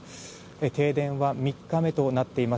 停電は３日目となっています。